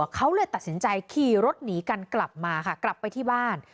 ขี่รถหนีกันกลับมาค่ะกลับไปที่บ้าน